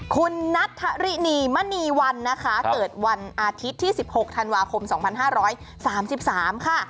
คุณนัทธรินีมณีวันนะคะเกิดวันอาทิตย์ที่๑๖ธันวาคม๒๕๓๓ค่ะ